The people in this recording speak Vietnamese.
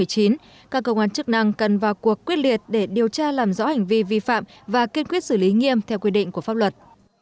các cơ quan chức năng cần vào cuộc quyết liệt để điều tra làm rõ hành vi vi phạm và kiên quyết xử lý nghiêm theo quy định của pháp luật